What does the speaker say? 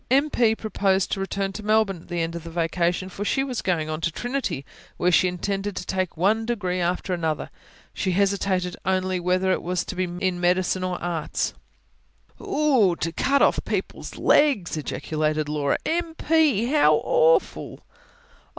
M. P. proposed to return to Melbourne at the end of the vacation; for she was going on to Trinity, where she intended to take one degree after another. She hesitated only whether it was to be in medicine or arts. "Oogh! ... to cut off people's legs!" ejaculated Laura. "M. P., how awful."